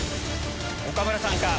岡村さんか？